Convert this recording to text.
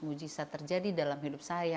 mujizat terjadi dalam hidup saya